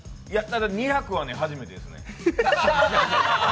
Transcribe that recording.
２００は初めてですね。